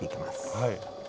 はい。